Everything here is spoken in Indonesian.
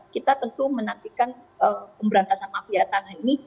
kita tentu menantikan pemberantasan mafia tanah ini